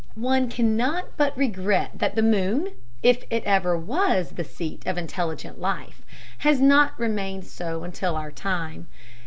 One cannot but regret that the moon, if it ever was the seat of intelligent life, has not remained so until our time.